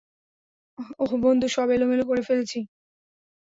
অহ, বন্ধু, সব এলোমেলো করে ফেলেছি।